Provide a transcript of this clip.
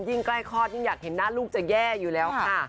ใกล้คลอดยิ่งอยากเห็นหน้าลูกจะแย่อยู่แล้วค่ะ